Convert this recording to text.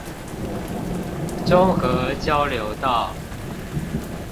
中和交流道